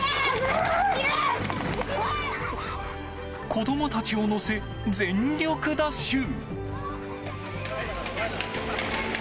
子供たちを乗せ全力ダッシュ。